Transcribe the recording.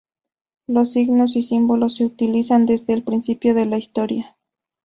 Los signos y símbolos se utilizan desde el principio de la Historia.